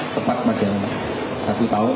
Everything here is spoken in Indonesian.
tepat pada satu tahun